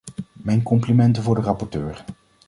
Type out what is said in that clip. Mijn complimenten voor de rapporteur.